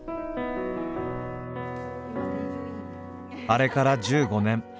あれから１５年。